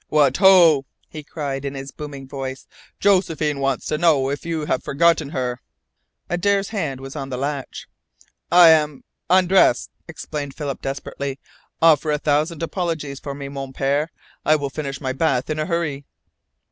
"What, ho!" he cried in his booming voice. "Josephine wants to know if you have forgotten her?" Adare's hand was on the latch. "I am undressed," explained Philip desperately. "Offer a thousand apologies for me, Mon Pere. I will finish my bath in a hurry!"